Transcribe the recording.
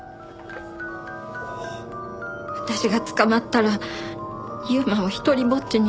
私が捕まったら優馬を独りぼっちにしてしまう。